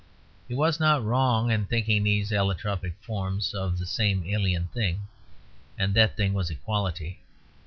He was not wrong in thinking these allotropic forms of the same alien thing; and that thing was equality.